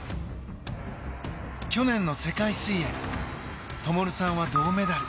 去年の世界水泳灯さんは銅メダル。